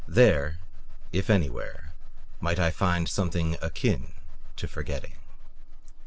There, if anywhere, might I find something akin to forgetting.